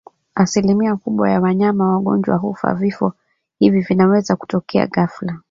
Asilimia kubwa ya wanyama wagonjwa hufa Vifo hivi vinaweza kutokea ghafla